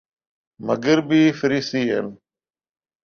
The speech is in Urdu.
مغربی فریسیئن